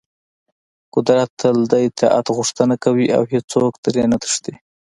قدرت تل د اطاعت غوښتنه کوي او هېڅوک ترې نه تښتي.